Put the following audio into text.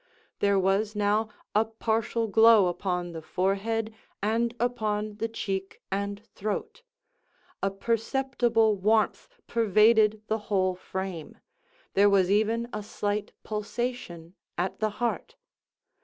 There was now a partial glow upon the forehead and upon the cheek and throat; a perceptible warmth pervaded the whole frame; there was even a slight pulsation at the heart.